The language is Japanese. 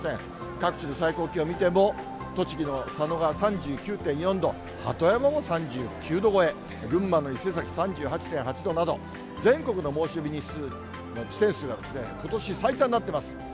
各地で最高気温見ても、栃木の佐野が３９．４度、鳩山も３９度超え、群馬の伊勢崎３８．８度など、全国の猛暑日日数の地点数が、ことし最多になってます。